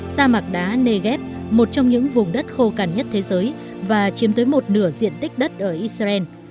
sa mạc đá negev một trong những vùng đất khô cằn nhất thế giới và chiếm tới một nửa diện tích đất ở israel